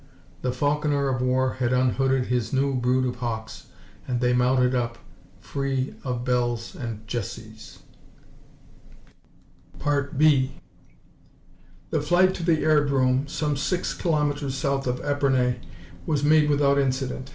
The falconer of war had unhooded his new brood of hawks and they mounted up, free of bells and jesses. 2 The flight to the airdrome some six kilometers south of Epernay was made without incident.